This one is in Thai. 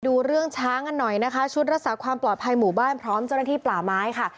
ดูเรื่องช้างกันหน่อยนะคะชุดรักษาความปลอดภัยหมู่บ้านพร้อมเจ้าหน้าที่ป่าไม้ค่ะ